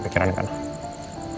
baik pak bos